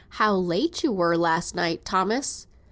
"How late you were last night, Thomas!"